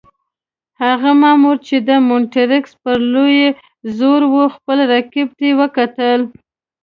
هغه مامور چې د مونټریکس پر لور یې زور وو، خپل رقیب ته وکتل.